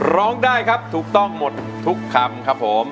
ร้องได้ครับถูกต้องหมดทุกคำครับผม